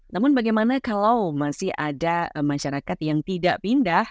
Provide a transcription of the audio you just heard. namun bagaimana kalau masih ada masyarakat yang tidak pindah